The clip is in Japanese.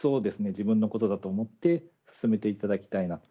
自分のことだと思って進めていただきたいなと。